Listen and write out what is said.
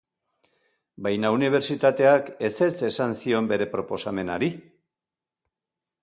Baina unibertsitateak ezetz esan zion bere proposamenari.